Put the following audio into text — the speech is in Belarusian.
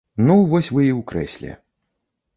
Ну, вось вы і ў крэсле.